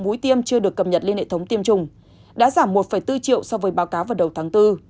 các cơ sở tiêm chủng được cập nhật lên hệ thống tiêm chủng đã giảm một bốn triệu so với báo cáo vào đầu tháng bốn